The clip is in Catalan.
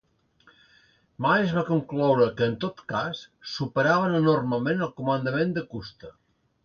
Miles va concloure que, en tot cas, superaven enormement el comandament de Custer.